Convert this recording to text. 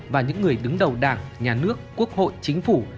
và những người đứng đầu đảng nhà nước quốc hội chính phủ